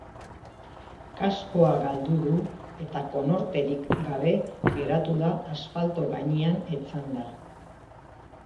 Kaskoa galdu du eta konorterik gabe geratu da asfalto gainean etzanda.